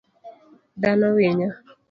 Dhano winyo